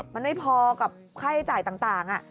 มันไม่พอกับค่าใช้จ่ายต่าง